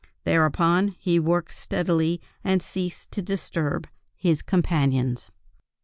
Thereupon he worked steadily and ceased to disturb his companions.